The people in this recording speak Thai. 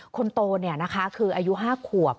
คนโตคืออายุ๕ขวบ